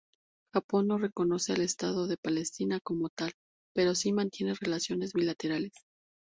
Japón no reconoce al Estado de Palestina como tal, pero sí mantiene relaciones bilaterales.